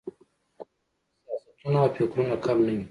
کورني سیاستونه او فکرونه کم نه وي.